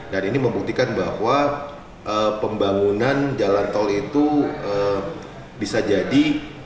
dan ini membuktikan bahwa pembangunan jalan tol itu bisa jadi